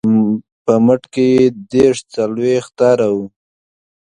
په مټ کې یې دېرش څلویښت تاره وه.